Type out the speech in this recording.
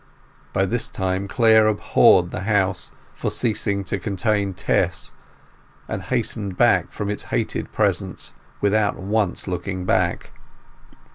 By this time Clare abhorred the house for ceasing to contain Tess, and hastened away from its hated presence without once looking back.